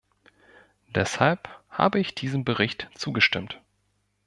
Deshalb habe ich diesem Bericht zugestimmt.